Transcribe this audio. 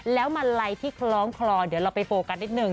แล้วมาลัยที่คล้องคลอเดี๋ยวเราไปโฟกัสนิดนึง